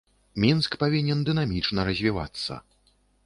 Мінск павінен дынамічна развівацца.